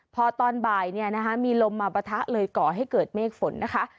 พอตอนบ่ายมีลมมาปะทะเลยก่อให้เกิดเมฆฝนนะคะ